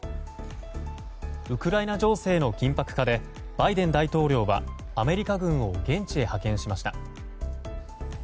ウクライナ情勢の緊迫化でバイデン大統領はアメリカ軍を現地に派遣しました。